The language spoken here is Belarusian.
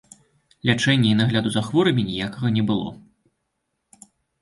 Лячэння і нагляду за хворымі ніякага не было.